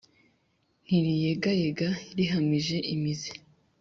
ntiriyegayega rihamije imizi